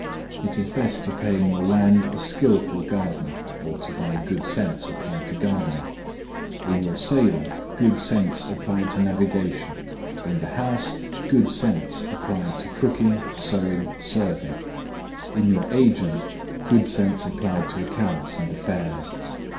It is best to pay in your land a skilful gardener, or to buy good sense applied to gardening; in your sailor, good sense applied to navigation; in the house, good sense applied to cooking, sewing, serving; in your agent, good sense applied to accounts and affairs.